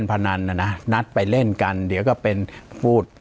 ปากกับภาคภูมิ